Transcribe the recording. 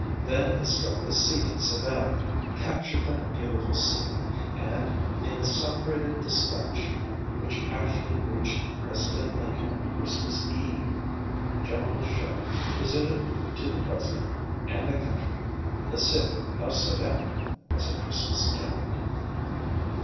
Then it struck the sea at Savannah, captured that beautiful city, and, in the celebrated despatch which actually reached President Lincoln on Christmas Eve, General Sherman presented to the President and the country "the city of Savannah, as a Christmas gift."